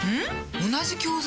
同じ教材？